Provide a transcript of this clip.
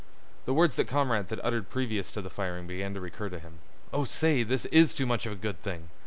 The words that comrades had uttered previous to the firing began to recur to him. "Oh, say, this is too much of a good thing!